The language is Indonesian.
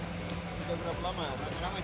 sudah berapa lama